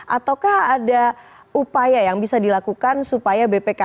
ataukah ada upaya yang bisa dilakukan supaya ke depannya tidak bisa dinaikkan lagi